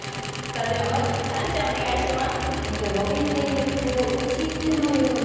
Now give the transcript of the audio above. さあではまずカンちゃんお願いします。